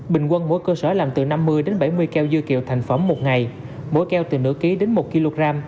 bình quân mỗi cơ sở làm từ năm mươi đến bảy mươi keo dư kiệu thành phẩm một ngày mỗi keo từ nửa ký đến một kg